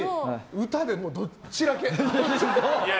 歌でどっちらけ！